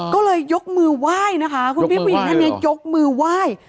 อ๋อก็เลยยกมือไหว้นะคะยกมือไหว้ยกมือไหว้